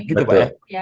gitu pak ya